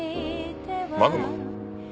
マグマ？